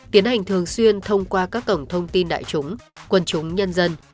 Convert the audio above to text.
tiến hành thường xuyên thông qua các cổng thông tin đại chúng quân chúng nhân dân